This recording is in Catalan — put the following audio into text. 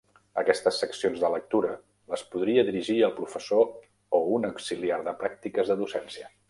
Aquestes seccions de lectura les podria dirigir el professor o un auxiliar de pràctiques de docència.